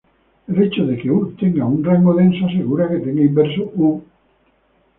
El hecho de que U tenga un rango denso asegura que tenga inverso "U".